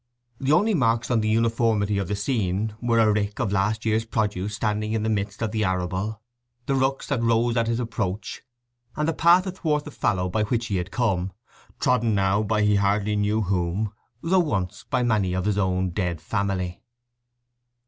The only marks on the uniformity of the scene were a rick of last year's produce standing in the midst of the arable, the rooks that rose at his approach, and the path athwart the fallow by which he had come, trodden now by he hardly knew whom, though once by many of his own dead family.